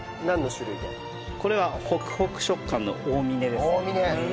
これはホクホク食感の大峰ですね。